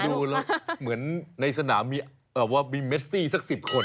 ดูแล้วเหมือนในสนามีเมสซี่สักสิบคน